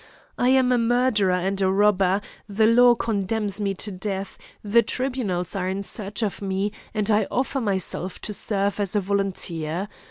I am a murderer and a robber; the law condemns me to death, the tribunals are in search of me, and I offer myself to serve as a volunteer.